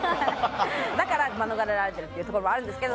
だから免れられてるっていうところもあるんですけど。